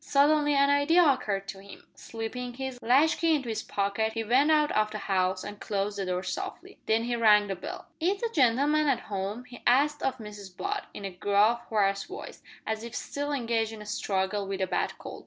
Suddenly an idea occurred to him. Slipping his latchkey into his pocket he went out of the house and closed the door softly. Then he rang the bell. "Is the gen'leman at 'ome?" he asked of Mrs Butt, in a gruff, hoarse voice, as if still engaged in a struggle with a bad cold.